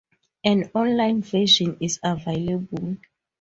An online version is available.